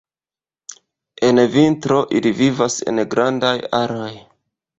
En vintro ili vivas en grandaj aroj.